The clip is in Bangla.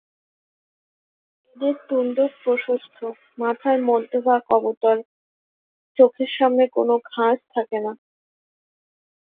এদের তুণ্ড প্রশস্ত, মাথার সম্মুখভাগ অবতল, চোখের সামনে কোনো খাঁজ থাকে না।